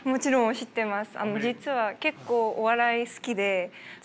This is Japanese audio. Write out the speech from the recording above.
知ってます。